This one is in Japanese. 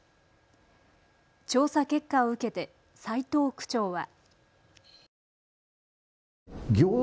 調査結果を受けて斉藤区長は。